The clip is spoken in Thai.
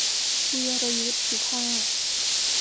วีรยุทธ สุภาพ